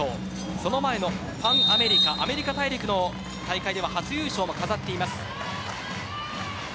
その前のアメリカ大陸の大会では初優勝も飾っています。